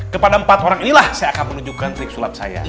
kepada empat orang inilah saya akan menunjukkan trik sulap saya